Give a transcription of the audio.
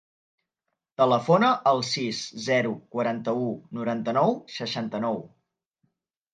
Telefona al sis, zero, quaranta-u, noranta-nou, seixanta-nou.